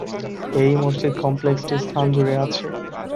এই মসজিদ কমপ্লেক্সটি স্থান জুড়ে আছে।